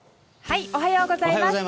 おはようございます。